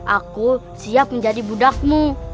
aku siap menjadi budakmu